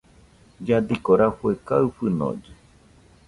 Lladiko rafue kaɨ fɨnolle.